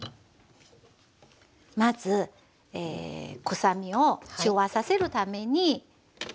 まず臭みを中和させるためにこしょう。